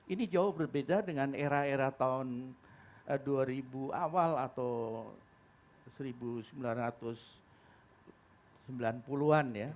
ini jauh berbeda dengan era era tahun dua ribu awal atau seribu sembilan ratus sembilan puluh an ya